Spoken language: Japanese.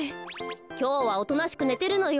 きょうはおとなしくねてるのよ。